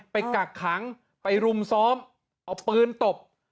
กักขังไปรุมซ้อมเอาปืนตบ